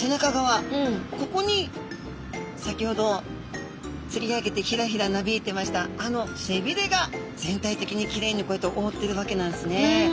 ここに先ほど釣り上げてヒラヒラなびいてましたあの背びれが全体的にきれいにこうやって覆ってるわけなんですね。